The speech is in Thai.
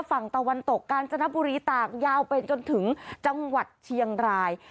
ฝั่งตะวันตกกาญจนบุรีตากยาวไปจนถึงจังหวัดเชียงราย